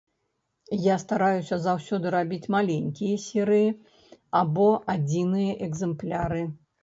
Я стараюся заўсёды рабіць маленькія серыі або адзіныя экзэмпляры.